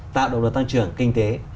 tạo đội tăng trưởng kinh tế